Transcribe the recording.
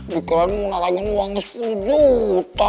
dikeren lu nalangin uang sepuluh juta